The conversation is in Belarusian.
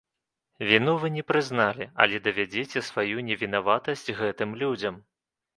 Віну вы не прызналі, але давядзіце сваю невінаватасць гэтым людзям.